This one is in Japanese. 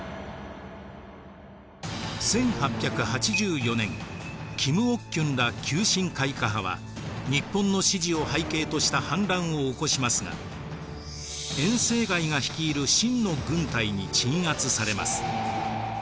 １８８４年金玉均ら急進開化派は日本の支持を背景とした反乱を起こしますが袁世凱が率いる清の軍隊に鎮圧されます。